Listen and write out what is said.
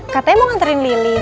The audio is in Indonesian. katanya mau nganterin lili